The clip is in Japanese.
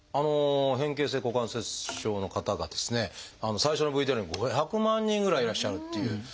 変形性股関節症の方がですね最初のＶＴＲにも５００万人ぐらいいらっしゃるっていう。